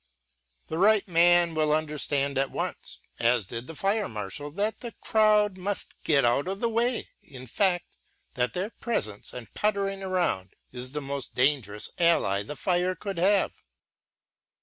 The right man will understand at once, as did the fire marshal, that the crowd must be got out of the way; in fact, that their presence and puttering around is the most dangerous ally the fire could have.